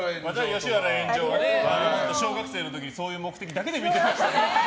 「吉原炎上」は、小学生の時にそういう目的だけで見に行ってました。